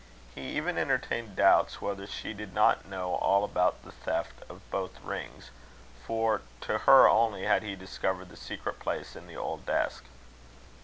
He even entertained doubts whether she did not know all about the theft of both rings, for to her only had he discovered the secret place in the old desk.